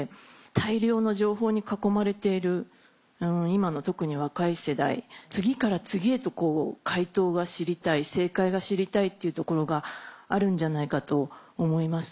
大量の情報に囲まれている今の特に若い世代次から次へと解答が知りたい正解が知りたいっていうところがあるんじゃないかと思います。